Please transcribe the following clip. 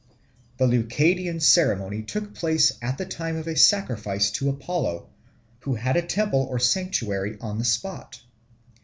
The Leucadian ceremony took place at the time of a sacrifice to Apollo, who had a temple or sanctuary on the spot.